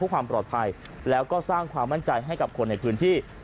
ความปลอดภัยแล้วก็สร้างความมั่นใจให้กับคนในพื้นที่